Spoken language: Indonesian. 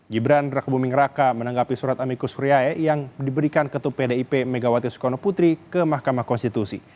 gibran rekabuming raka menanggapi surat amikus huriae yang diberikan ketup pdip megawati sukawono putri ke mahkamah konstitusi